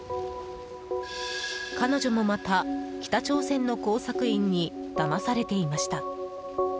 彼女もまた、北朝鮮の工作員にだまされていました。